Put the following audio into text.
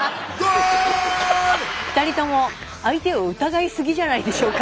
２人とも相手を疑いすぎじゃないでしょうか。